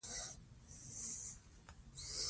که مشوره وي نو پښیمانی نه وي.